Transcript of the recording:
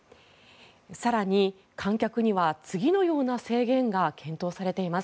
更に、観客には次のような制限が検討されています。